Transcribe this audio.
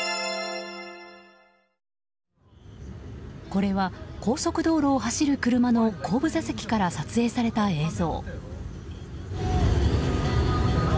これは高速道路を走る車の後部座席から撮影された映像。